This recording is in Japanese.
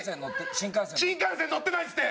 新幹線乗ってないですって！